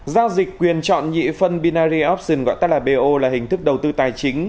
giao dịch quyền chọn nhị phân binary options gọi ta là bo là hình thức đầu tư tài chính